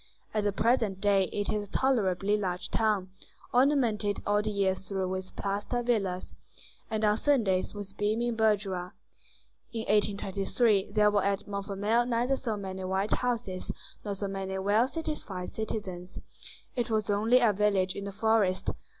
At the present day it is a tolerably large town, ornamented all the year through with plaster villas, and on Sundays with beaming bourgeois. In 1823 there were at Montfermeil neither so many white houses nor so many well satisfied citizens: it was only a village in the forest.